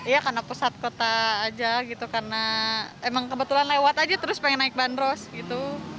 ya karena pusat kota aja gitu karena emang kebetulan lewat aja terus pengen naik bandros gitu